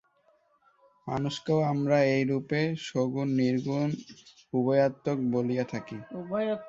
মানুষকেও আমরা এইরূপে সগুণ-নির্গুণ উভয়াত্মক বলিয়া থাকি।